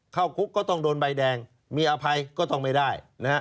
เข้าคุกก็ต้องโดนใบแดงมีอภัยก็ต้องไม่ได้นะฮะ